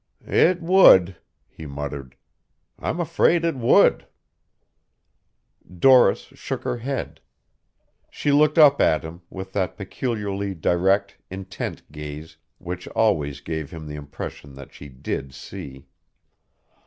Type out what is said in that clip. "It would," he muttered. "I'm afraid it would." Doris shook her head. She looked up at him, with that peculiarly direct, intent gaze which always gave him the impression that she did see.